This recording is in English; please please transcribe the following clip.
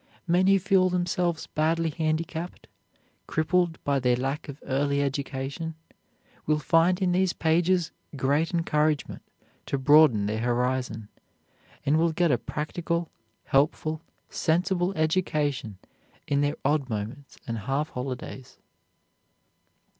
Men who feel themselves badly handicapped, crippled by their lack of early education, will find in these pages great encouragement to broaden their horizon, and will get a practical, helpful, sensible education in their odd moments and half holidays.